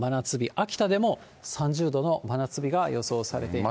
秋田でも３０度の真夏日が予想されています。